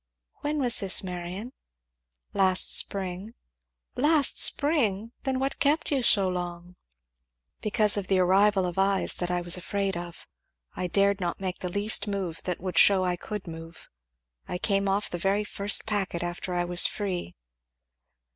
"When was this, Marion?" "Last spring." "Last spring! then what kept you so long?" "Because of the arrival of eyes that I was afraid of. I dared not make the least move that would show I could move. I came off the very first packet after I was free."